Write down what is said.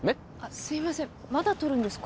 すいませんまだ撮るんですか？